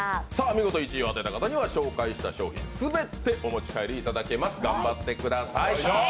見事１位を当てた方には紹介した商品すべてお持ち帰りいただけます！頑張ってください。